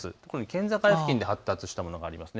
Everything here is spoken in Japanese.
県境付近で発達したものがあります。